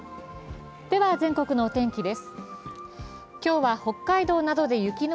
では全国のお天気です。